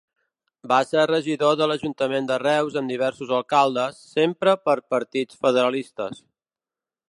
Va ser regidor de l'ajuntament de Reus amb diversos alcaldes, sempre per partits federalistes.